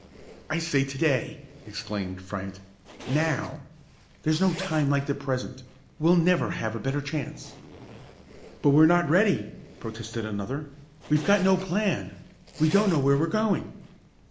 "I say to day!" exclaimed Fryant, "now! There's no time like the present; we'll never have a better chance." "But we're not ready," protested another; "we've got no plan; we don't know where we're going!"